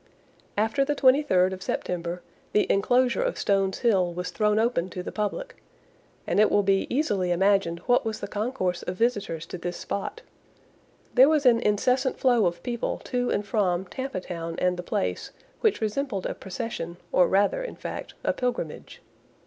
After the 23rd of September the enclosure of Stones hill was thrown open to the public; and it will be easily imagined what was the concourse of visitors to this spot! There was an incessant flow of people to and from Tampa Town and the place, which resembled a procession, or rather, in fact, a pilgrimage.